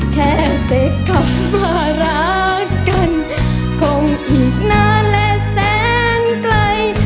แค่เสพคำว่ารักกันคงอีกนานและแสนไกล